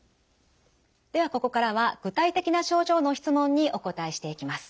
ではここからは具体的な症状の質問にお答えしていきます。